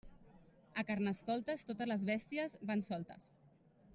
A Carnestoltes, totes les bèsties van soltes.